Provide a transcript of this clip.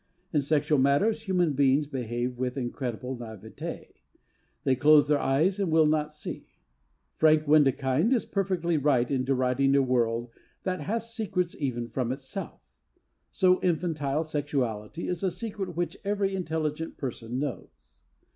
In sexual matters human beings behave with incredible naïveté. They close their eyes and will not see. Frank Wedekind is perfectly right in deriding a world that has secrets even from itself. So infantile sexuality is a secret which every intelligent person knows.